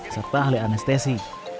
serta ahli anestesi